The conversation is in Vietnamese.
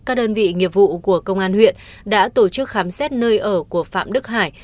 các đơn vị nghiệp vụ của công an huyện đã tổ chức khám xét nơi ở của phạm đức hải